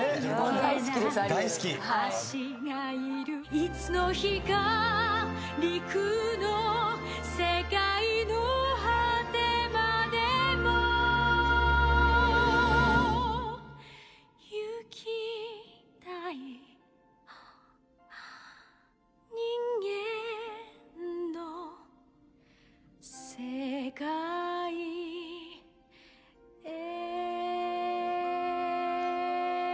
「いつの日か陸の世界の果てまでも行きたい」「人間の世界へ」